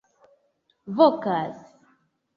vokas